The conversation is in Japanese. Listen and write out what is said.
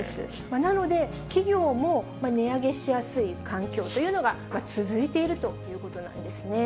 なので、企業も値上げしやすい環境というのが続いているということなんですね。